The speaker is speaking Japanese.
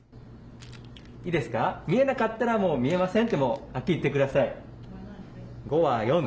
いいですか見えなかったら見えませんとはっきり言ってください。